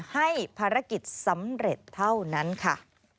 ให้ภารกิจสำเร็จเท่านั้นค่ะ